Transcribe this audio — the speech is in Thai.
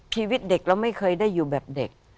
ชีวิตเด็กเราไม่เคยได้อยู่แบบเด็ก